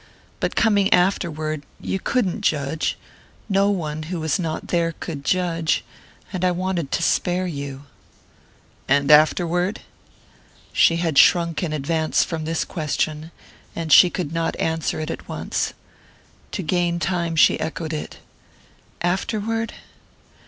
But coming afterward, you couldn't judge...no one who was not there could judge...and I wanted to spare you...." "And afterward?" She had shrunk in advance from this question, and she could not answer it at once. To gain time she echoed it. "Afterward?"